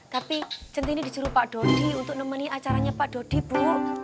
tapi centini disuruh pak dodi untuk nemenin acaranya pak dodi bu